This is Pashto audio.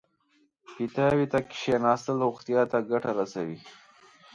پیتاوي ته کېناستل روغتیا ته ګټه رسوي.